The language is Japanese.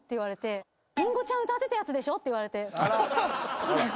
そうだよ。